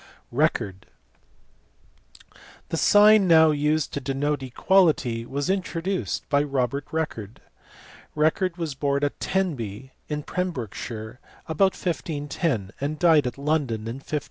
Record. The sign now used to denote equality was in troduced by Robert Record*. Record was born at Tenby in Pembrokeshire about 1510 and died at London in 1558.